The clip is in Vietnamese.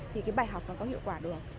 thì cái bài học nó có hiệu quả được